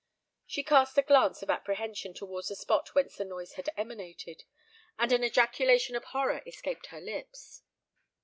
She cast a glance of apprehension towards the spot whence the noise had emanated; and an ejaculation of horror escaped her lips.